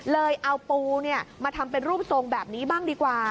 เลยเอาปูมาทำเป็นรูปทรงแบบนี้บ้างดีกว่า